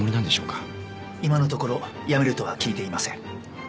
今のところ辞めるとは聞いていません。